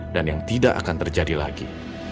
dan yang tidak akan terjadi lagi